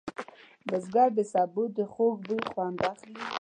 بزګر د سبو د خوږ بوی خوند اخلي